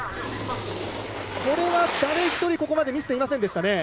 これは誰一人ここまで見せていませんでした。